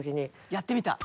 やってみた？